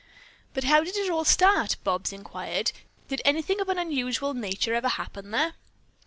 "But how did it all start?" Bobs inquired. "Did anything of an unusual nature ever happen there?"